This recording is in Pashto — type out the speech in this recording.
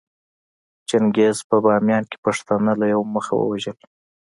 چنګېز په باميان کې پښتانه له يوه مخه ووژل